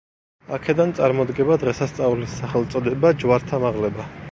აქედან წარმოდგება დღესასწაულის სახელწოდება „ჯვართამაღლება“.